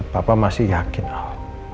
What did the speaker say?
papa masih yakin al